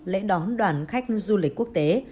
lễ đón đoàn khách du lịch quốc tế